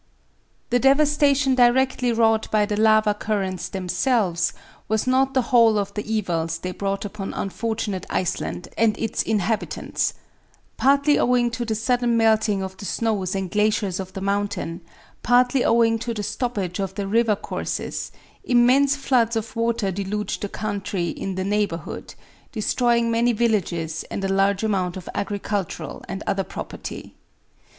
The devastation directly wrought by the lava currents themselves was not the whole of the evils they brought upon unfortunate Iceland and its inhabitants. Partly owing to the sudden melting of the snows and glaciers of the mountain, partly owing to the stoppage of the river courses, immense floods of water deluged the country in the neighborhood, destroying many villages and a large amount of agricultural and other property.